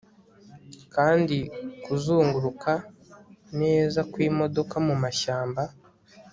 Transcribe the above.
Kandi kuzunguruka neza kwimodoka mumashyamba